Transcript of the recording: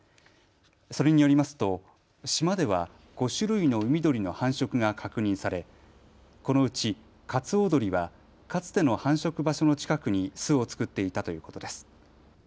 それによりますと島では５種類の海鳥の繁殖が確認されこのうちカツオドリはかつての繁殖場所の近くに巣を作っていたということです。